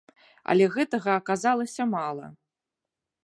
Але гэтага аказалася мала!